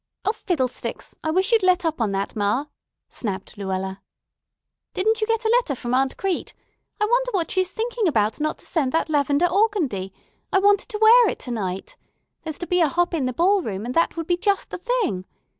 "O, fiddlesticks! I wish you'd let up on that, ma," snapped Luella. "Didn't you get a letter from Aunt Crete? I wonder what she's thinking about not to send that lavender organdie. I wanted to wear it to night. There's to be a hop in the ballroom, and that would be just the thing.